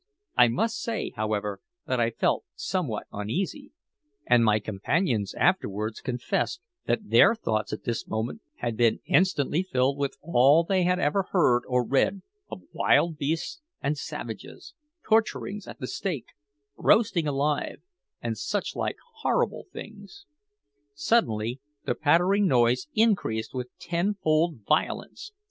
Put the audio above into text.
I must say, however, that I felt somewhat uneasy; and my companions afterwards confessed that their thoughts at this moment had been instantly filled with all they had ever heard or read of wild beasts and savages, torturings at the stake, roastings alive, and such like horrible things. Suddenly the pattering noise increased with tenfold violence.